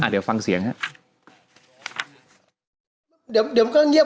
เดี๋ยวฟังเสียงครับ